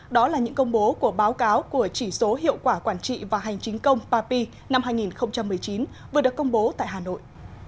đó là những công bố của báo cáo của chỉ số hiệu quả quản trị và hành chính công papi năm hai nghìn một mươi chín vừa được công bố tại hà nội